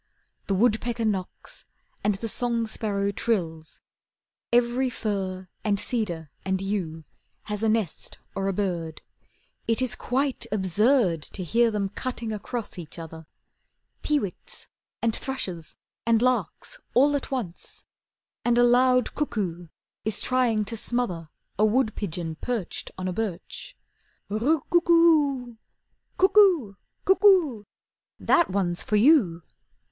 The woodpecker knocks, And the song sparrow trills, Every fir, and cedar, and yew Has a nest or a bird, It is quite absurd To hear them cutting across each other: Peewits, and thrushes, and larks, all at once, And a loud cuckoo is trying to smother A wood pigeon perched on a birch, "Roo coo oo oo " "Cuckoo! Cuckoo! That's one for you!"